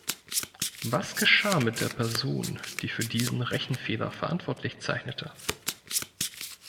Was geschah mit der Person, die für diesen Rechenfehler verantwortlich zeichnete?